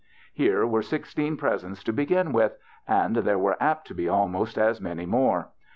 Here were sixteen presents to begin with, and there were apt to be almost as many more.